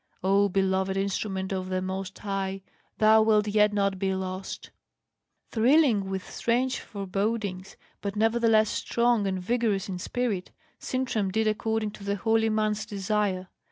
O beloved instrument of the Most High, thou wilt yet not be lost!" Thrilling with strange forebodings, but nevertheless strong and vigorous in spirit, Sintram did according to the holy man's desire.